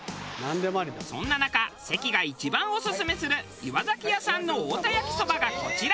そんな中関が一番オススメする岩崎屋さんの太田焼きそばがこちら。